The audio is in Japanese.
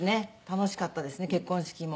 楽しかったですね結婚式も。